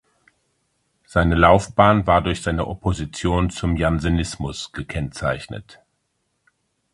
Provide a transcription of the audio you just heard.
Seine Laufbahn war durch seine Opposition zum Jansenismus gekennzeichnet.